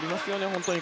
本当に。